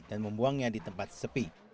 dan membuangnya di tempat sepi